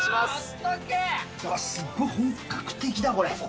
すっごい本格的だ、これ。